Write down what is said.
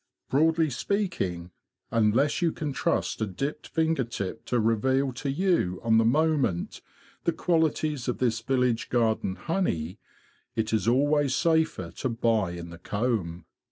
Broadly speaking, unless you can trust a dipped finger tip to reveal to you on the moment the qualities of this village garden honey, it is always safer to buy in the comb.